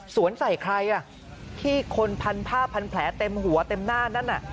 ใส่ใครที่คนพันผ้าพันแผลเต็มหัวเต็มหน้านั่นน่ะ